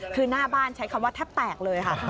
คือหน้าบ้านใช้คำว่าแทบแตกเลยค่ะ